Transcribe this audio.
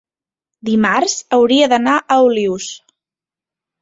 dimarts hauria d'anar a Olius.